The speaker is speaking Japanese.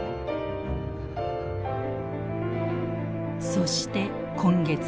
そして今月。